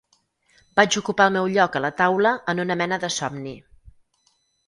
Vaig ocupar el meu lloc a la taula en una mena de somni.